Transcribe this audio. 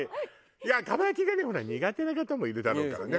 いや蒲焼がねほら苦手な方もいるだろうからね。